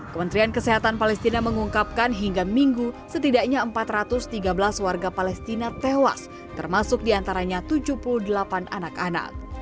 kementerian kesehatan palestina mengungkapkan hingga minggu setidaknya empat ratus tiga belas warga palestina tewas termasuk diantaranya tujuh puluh delapan anak anak